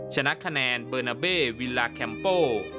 ชนะคะแนนเบอร์นาเบ่วิลลาแคมโป้